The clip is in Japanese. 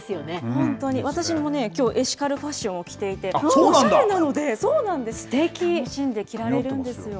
本当に、私もきょうエシカルファッションを着ていておしゃれなので楽しんで着られるんですよ。